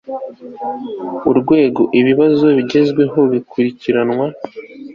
Urwego ibibazo bigezeho bikurikiranwa